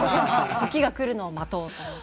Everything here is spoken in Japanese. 時が来るのを待とうと思って。